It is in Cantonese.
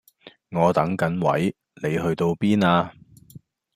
我等緊位，你去到邊呀